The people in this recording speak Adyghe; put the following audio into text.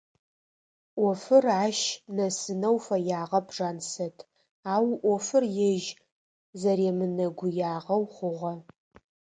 Ӏофыр ащ нэсынэу фэягъэп Жансэт, ау ӏофыр ежь зэремынэгуягъэу хъугъэ.